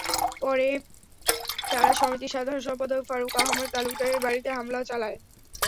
পরে তারা সমিতির সাধারণ সম্পাদক ফারুক আহম্মদ তালুকদারের বাড়িতেও হামলা চালায়।